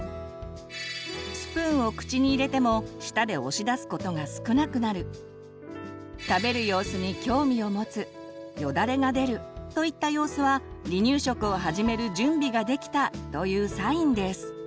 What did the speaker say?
スプーンを口に入れても舌で押し出すことが少なくなる食べる様子に興味を持つよだれが出るといった様子は「離乳食を始める準備ができた」というサインです。